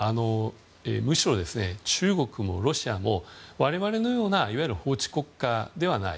むしろ中国もロシアも我々のような法治国家ではない。